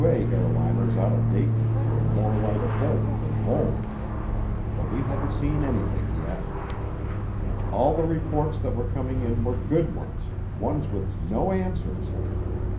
TWA airliners out of Dayton were more like home than home. But we hadn't seen anything yet. All the reports that were coming in were good ones, ones with no answers.